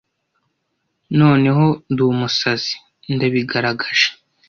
noneho ndumusazi ndabigaragaje